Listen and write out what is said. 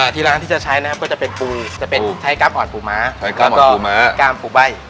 ที่ร้านที่จะใช้นะครับก็จะเป็นปูใช้กล้ามหอดปูม้าแล้วก็กล้ามปูใบ้